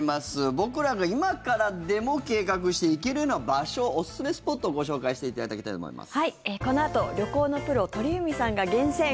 僕らが今からでも計画して行けるような場所おすすめスポットをご紹介していただきたいと思います。